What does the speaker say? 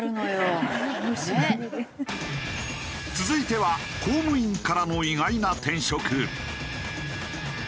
続いては公務員からの意外な転職。